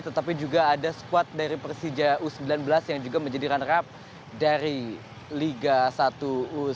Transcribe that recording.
tetapi juga ada squad dari persija u sembilan belas yang juga menjadi runner up dari liga satu u sembilan belas